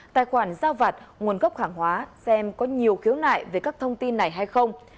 tài khoản giao vặt nguồn gốc hàng hóa xem có nhiều khiếu nại về các thông tin này hay không